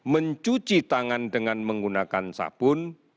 mencuci tangan dengan menggunakan sabun